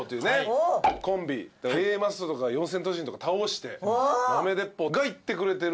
Ａマッソとか四千頭身とか倒して豆鉄砲が行ってくれてる。